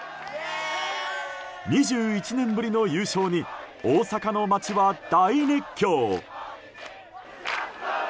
２１年ぶりの優勝に大阪の街は大熱狂！